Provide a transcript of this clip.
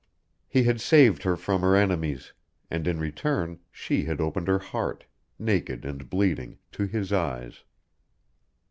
He had saved her from her enemies; and in return she had opened her heart, naked and bleeding, to his eyes.